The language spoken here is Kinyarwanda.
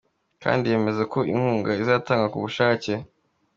Kandi yemeza ko inkunga izatangwa ku bushake.